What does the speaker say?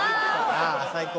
「ああ最高。